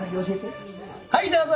はいどうぞ！